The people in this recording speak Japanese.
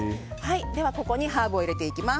では、ハーブを入れていきます。